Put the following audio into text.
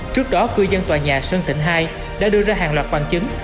trước đó cư dân tòa nhà sơn thịnh hai đã đưa ra hàng loạt bằng chứng